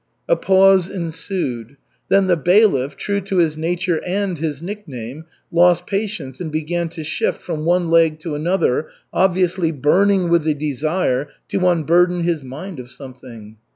A pause ensued. Then the bailiff, true to his nature and his nickname, lost patience and began to shift from one leg to another, obviously burning with the desire to unburden his mind of something.